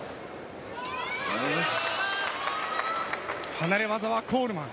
離れ技はコールマン。